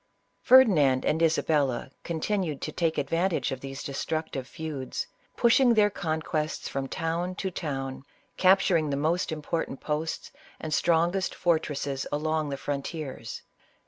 Ferdinand and Isabella continued to take advantage of these destructive feuds, pushing their conquests from town to town, capturing the most important posts and strongest fortresses along the frontiers.